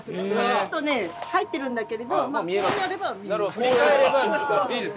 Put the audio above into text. ちょっとね入ってるんだけれどこうやれば見えます。